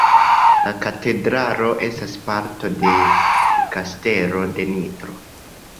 La katedralo estas parto de Kastelo de Nitro.